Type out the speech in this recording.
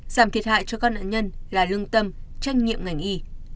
giảm thiệt hại cho các nạn nhân là lương tâm trách nhiệm ngành y